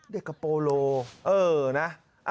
เด็กกระโปโรอ๋อนะ